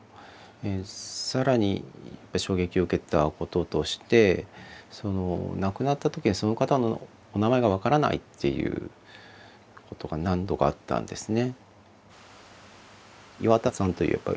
更に衝撃を受けたこととして亡くなった時にその方のお名前が分からないっていうことが何度かあったんですね。